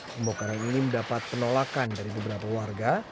pembongkaran ini mendapat penolakan dari beberapa warga